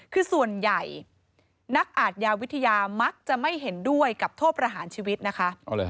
คือส่วนใหญ่นักอาทยาวิทยามักจะไม่เห็นด้วยกับโทษประหารชีวิตนะคะ